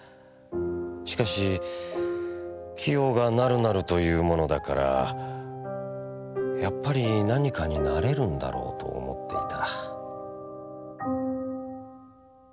しかし清がなるなると云うものだからやっぱり何かに成れるんだろうと思っていた」。